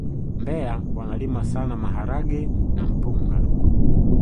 mbeya wanalima sana maharage na mpunga